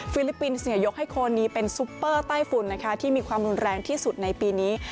ลิปปินส์ยกให้โคนี้เป็นซุปเปอร์ใต้ฝุ่นนะคะที่มีความรุนแรงที่สุดในปีนี้